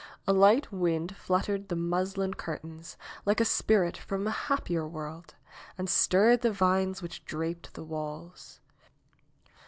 A light wind fluttered the muslin curtains, like a spirit from a happier world, and stirred the vines which draped the walls.